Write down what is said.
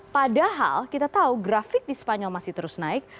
padahal kita tahu grafik di spanyol masih terus naik